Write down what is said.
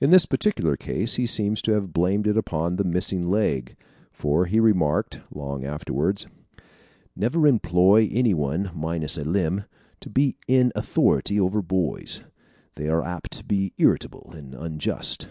In this particular case he seems to have blamed it upon the missing leg, for he remarked, long afterwards: "Never employ any one minus a limb to be in authority over boys. They are apt to be irritable and unjust."